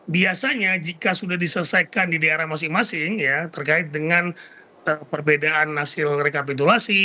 biasanya jika sudah diselesaikan di daerah masing masing ya terkait dengan perbedaan hasil rekapitulasi